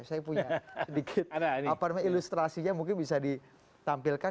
saya punya sedikit apa namanya ilustrasinya mungkin bisa ditampilkan